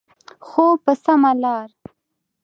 خو په سمه لاره.